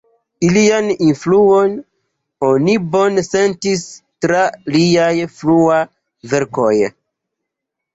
Ilian influon oni bone sentis tra liaj fruaj verkoj.